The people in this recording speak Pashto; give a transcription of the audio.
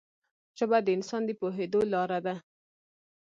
ژبه د انسان د پوهېدو لاره ده